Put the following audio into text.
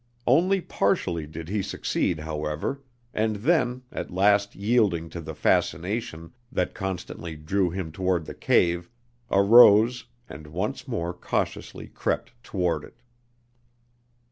Only partially did he succeed, however, and then, at last yielding to the fascination that constantly drew him toward the cave, arose and once more cautiously crept toward it.